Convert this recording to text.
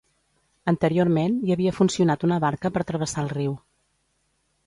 Anteriorment hi havia funcionat una barca per travessar el riu.